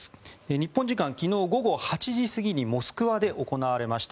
日本時間昨日午後８時過ぎにモスクワで行われました。